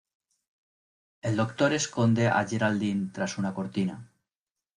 El Doctor esconde a Geraldine tras una cortina.